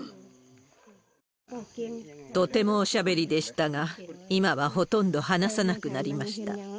とてもおしゃべりでしたが、今はほとんど話さなくなりました。